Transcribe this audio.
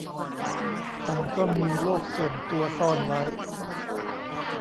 ต่างก็มีโลกส่วนตัวซ่อนไว้